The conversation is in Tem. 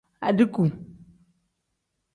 Adiiku.